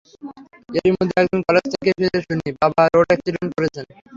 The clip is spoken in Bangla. এরই মধ্যে একদিন কলেজ থেকে ফিরে শুনি, বাবা রোড অ্যাক্সিডেন্ট করেছেন।